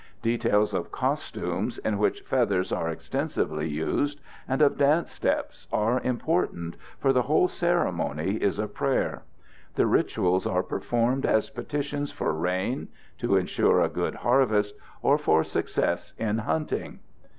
Details of costumes, in which feathers are extensively used, and of dance steps are important, for the whole ceremony is a prayer. The rituals are performed as petitions for rain, to insure a good harvest, or for success in hunting.